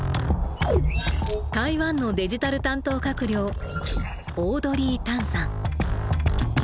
台湾のデジタル担当閣僚オードリー・タンさん。